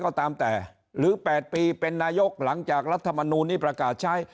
ก็ตามแต่หรือ๘ปีเป็นนายกหลังจากรัฐมนูลนี้ประกาศใช้